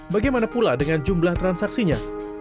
bagaimana pula dengan jumlah transaksinya